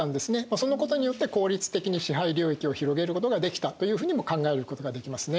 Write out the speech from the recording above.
そのことによって効率的に支配領域を広げることができたというふうにも考えることができますね。